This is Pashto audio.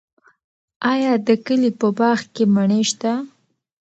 آیا د کلي په باغ کې مڼې شته؟